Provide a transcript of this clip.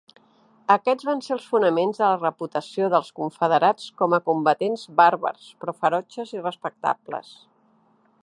Aquests van ser els fonaments de la reputació dels confederats com a combatents bàrbars, però ferotges i respectables.